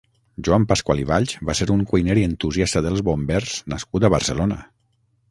Joan Pascual i Valls va ser un cuiner i entusiasta dels bombers nascut a Barcelona.